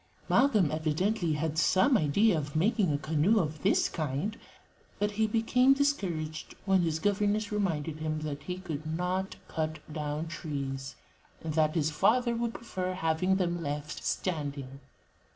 '" Malcolm evidently had some idea of making a canoe of this kind, but he became discouraged when his governess reminded him that he could not cut down trees, and that his father would prefer having them left standing.